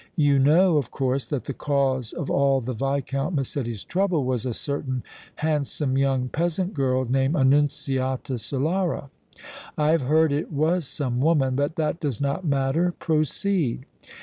"You know, of course, that the cause of all the Viscount Massetti's trouble was a certain handsome young peasant girl named Annunziata Solara?" "I have heard it was some woman, but that does not matter; proceed."